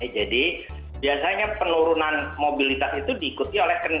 jadi biasanya penurunan mobilitas itu diikuti oleh